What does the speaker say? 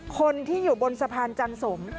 คนที่อยู่บนสะพานจันสม